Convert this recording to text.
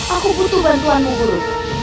aku butuh bantuanmu guru